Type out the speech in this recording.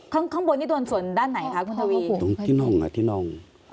ข้างข้างบนนี่โดนส่วนด้านไหนคะคุณทวีตรงที่น่องอ่ะที่น่อง